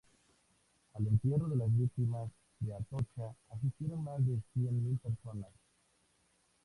Al entierro de las víctimas de Atocha asistieron más de cien mil personas.